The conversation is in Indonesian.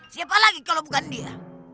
siapa lagi kalau bukan dia